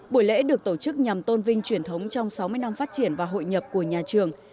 buổi lễ được tổ chức nhằm tôn vinh truyền thống trong sáu mươi năm phát triển và hội nhập của nhà trường